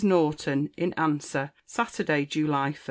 NORTON [IN ANSWER.] SATURDAY, JULY 1.